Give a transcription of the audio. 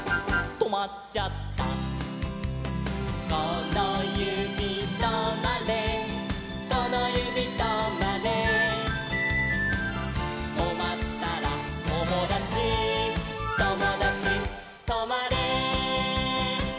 「このゆびとまれこのゆびとまれ」「とまったらともだちともだちとまれ」